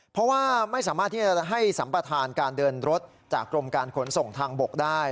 เพราะว่าไม่สามารถที่จะให้สัมประธานการเดินรถจากกรมการขนส่งทางบกได้